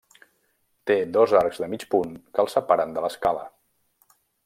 Té dos arcs de mig punt que el separen de l'escala.